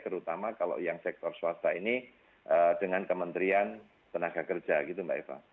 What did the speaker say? terutama kalau yang sektor swasta ini dengan kementerian tenaga kerja gitu mbak eva